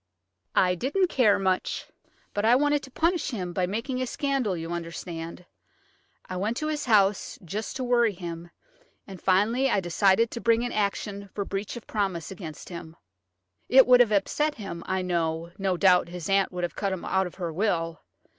I didn't care much, but I wanted to punish him by making a scandal, you understand. I went to his house just to worry him, and finally I decided to bring an action for breach of promise against him. It would have upset him, I know; no doubt his aunt would have cut him out of her will.